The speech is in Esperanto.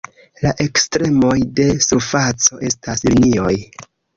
La ekstremoj de surfaco estas linioj.